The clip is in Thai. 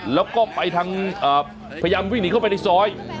แล้วก็ไปทางพยายามวิ่งหนีเข้าไปในซอย